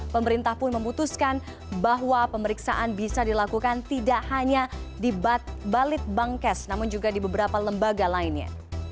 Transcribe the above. pemerintah pun memutuskan bahwa pemeriksaan bisa dilakukan tidak hanya di balit bankes namun juga di beberapa lembaga lainnya